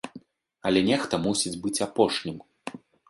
Але нехта мусіць быць апошнім.